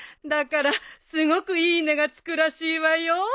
だからすごくいい値が付くらしいわよ。